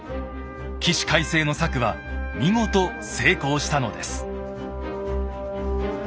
起死回生の策は見事成功したのです。